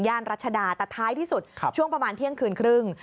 รัชดาแต่ท้ายที่สุดช่วงประมาณเที่ยงคืนครึ่ง